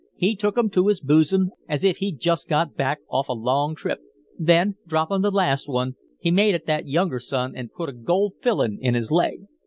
He took 'em to his boosum as if he'd just got back off a long trip, then, droppin' the last one, he made at that younger son an' put a gold fillin' in his leg.